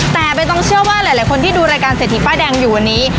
แต่ใบตองเชื่อว่าหลายคนที่ดูรายการเศรษฐีป้ายแดงอยู่วันนี้